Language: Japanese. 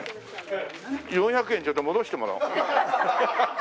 ４００円ちょっと戻してもらおう。